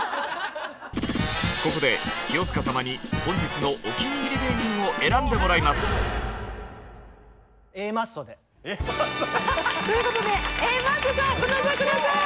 ここで清塚様に本日のお気に入り芸人を選んでもらいます。ということでＡマッソさんご登場下さい！